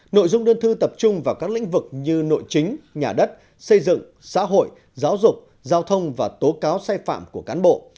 nội dung đơn thư tập trung vào các lĩnh vực như nội chính nhà đất xây dựng xã hội giáo dục giao thông và tố cáo sai phạm của cán bộ